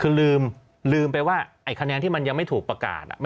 คือลืมไปว่าไอ้คะแนนที่มันยังไม่ถูกประกาศ